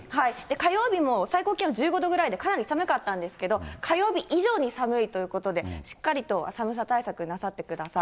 火曜日も最高気温１５度ぐらいで、かなり寒かったんですけど、火曜日以上に寒いということで、しっかりと寒さ対策なさってください。